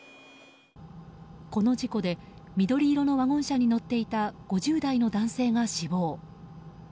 この事故で緑色のワゴン車に乗っていた５０代の男性が死亡。